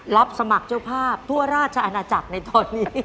รับสมัครเจ้าภาพทั่วราชอาณาจักรในตอนนี้